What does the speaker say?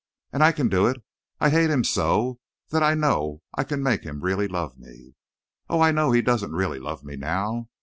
And I can do it I hate him so that I know I can make him really love me. Oh, I know he doesn't really love me now.